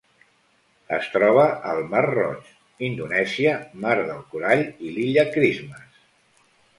Es troba al Mar Roig, Indonèsia, Mar del Corall i l'Illa Christmas.